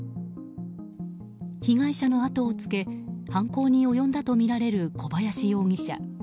被害者の後をつけ犯行に及んだとみられる小林容疑者。